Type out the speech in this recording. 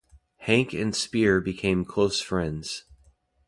Hanke and Speer became close friends.